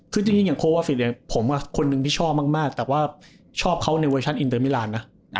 คือจริงอย่างโควาฟิตเนี่ยผมคนหนึ่งที่ชอบมากแต่ว่าชอบเขาในเวอร์ชันอินเตอร์มิลานนะ